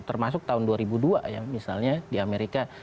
termasuk tahun dua ribu dua ya misalnya di amerika